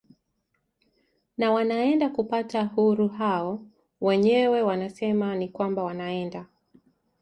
na wanaenda kupata huru hao wenyewe wanasema ni kwamba wanaenda